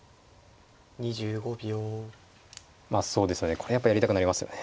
これやっぱやりたくなりますよね。